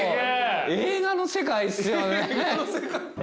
映画の世界っすよね。